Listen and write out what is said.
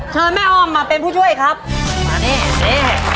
เชิญแม่อ้อมมาเป็นผู้ช่วยครับมานี่นี่